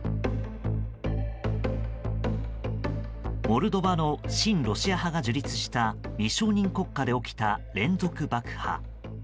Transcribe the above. モルドバの親ロシア派が樹立した未承認国家で起きた連続爆破。